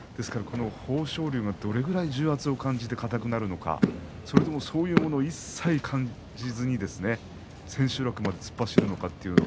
豊昇龍が、どれぐらい重圧を感じて硬くなるのかそれとも、そういうものを一切感じずに千秋楽まで突っ走るのか。